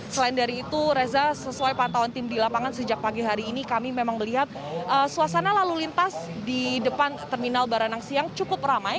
selain dari itu reza sesuai pantauan tim di lapangan sejak pagi hari ini kami memang melihat suasana lalu lintas di depan terminal baranang siang cukup ramai